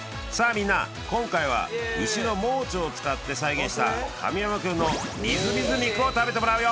みんな今回は牛の盲腸を使って再現した神山君の水水肉を食べてもらうよ